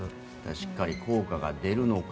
しっかり効果が出るのか。